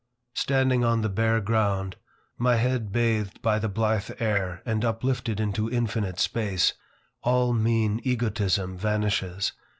Standing on the bare ground, my head bathed by the blithe air, and uplifted into infinite space, all mean egotism vanishes.